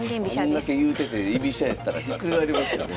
あんだけ言うてて居飛車やったらひっくり返りますよね。